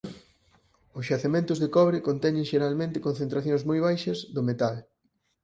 Os xacementos de cobre conteñen xeralmente concentracións moi baixas do metal.